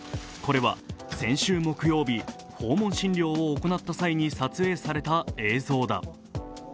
これは先週木曜日、訪問診療を行った際に撮影された映像だ。